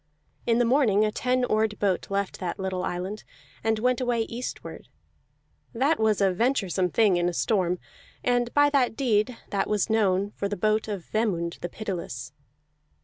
In the morning a ten oared boat left that little island, and went away eastward; that was a venturesome thing in a storm, and by that deed that was known for the boat of Vemund the Pitiless.